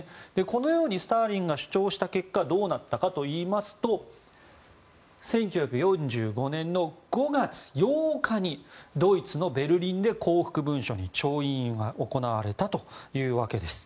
このようにスターリンが主張した結果どうなったかといいますと１９４５年の５月８日にドイツのベルリンで降伏文書に調印が行われたというわけです。